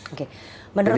oke menurut anda